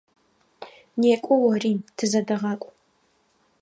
Некӏо ори, тызэдэгъакӏу!